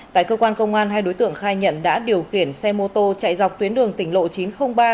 tại cơ quan công an hai đối tượng khai nhận đã điều khiển xe mô tô chạy dọc tuyến đường tỉnh lộ chín trăm linh ba